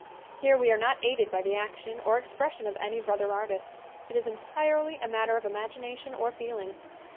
Here we are not aided by the action or ex pression of any brother artist. It is entirely a matter of imagination or feeling.